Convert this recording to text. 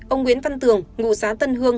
ông nguyễn văn tường ngụ xá tân hương